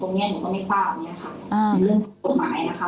เป็นเรื่องตกหมายนะคะ